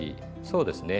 そうですね。